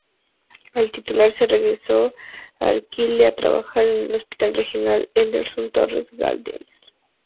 Al titularse, regresó a Iquique a trabajar en el Hospital Regional Ernesto Torres Galdames.